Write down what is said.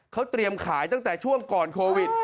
เขาเตรียมขายตั้งแต่ช่วงก่อนโควิด